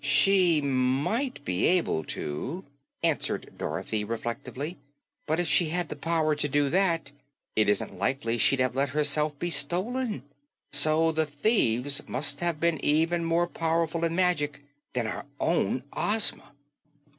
"She MIGHT be able to," answered Dorothy reflectively, "but if she had the power to do that, it isn't likely she'd have let herself be stolen. So the thieves must have been even more powerful in magic than our Ozma."